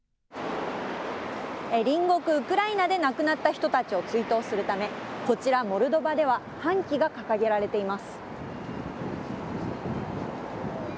隣国ウクライナで亡くなった人たちを追悼するため、こちらモルドバでは半旗が掲げられています。